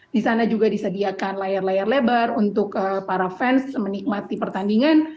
di sana juga disediakan layar layar lebar untuk para fans menikmati pertandingan